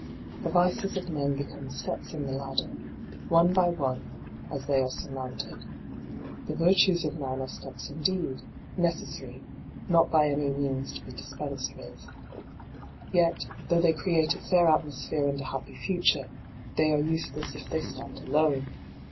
The vices of .men become steps in the ladder, one by one, as they are surmounted. The virtues of man are steps indeed, necessary — not by any d by Google lo LIGHT ON THE PATH means to be dispensed with. Yet, though they create a fair atmosphere and a happy future, they are useless if they stand alone.